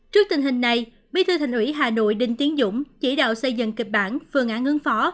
trước tình hình này bí thư thành ủy hà nội đinh tiến dũng chỉ đạo xây dựng kịch bản phương án ứng phó